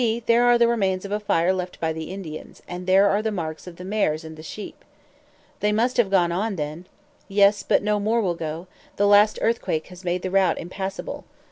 there are the remains of a fire left by the Indians, and there are the marks of the mares and the sheep." "They must have gone on then." "Yes, but no more will go; the last earthquake has made the route impassable."